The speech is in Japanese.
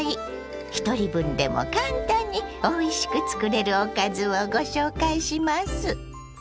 ひとり分でも簡単においしく作れるおかずをご紹介します。